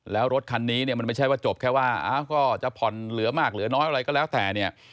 แล้วรถคันนี้เนี่ยมันไม่ใช่ว่าจบแค่ว่าก็จะผ่อนเหลือมากเหลือน้อยอะไรก็แล้วแต่เนี่ย